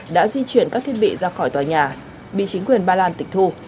đã di chuyển các thiết bị ra khỏi tòa nhà bị chính quyền ba lan tịch thu